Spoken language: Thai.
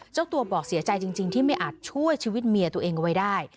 เจ้าตัวบอกเสียใจจริงที่ไม่อาจช่วยชีวิตเมียตัวเองเอาไว้ได้